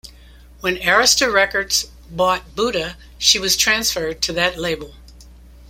When Arista Records bought Buddha, she was transferred to that label.